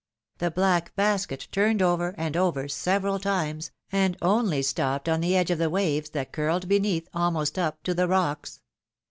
The black basket turned over and over several times, and only stopped on the edge of the waves, that curled beneath, almost up to the rocks.